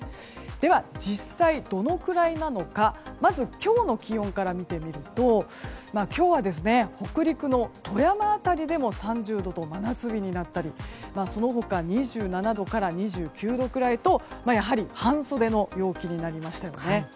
では、実際どのくらいなのかまず今日の気温から見てみると今日は北陸の富山辺りでも３０度と真夏日になったりその他２７度から２９度くらいとやはり半袖の陽気になりましたね。